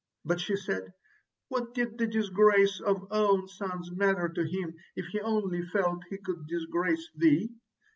But she said: "What did the disgrace of his own sons matter to him if he only felt he could disgrace thee?